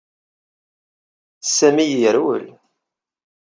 Sami yerwel.